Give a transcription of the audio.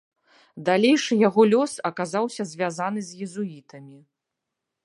Далейшы яго лёс аказаўся звязаны з езуітамі.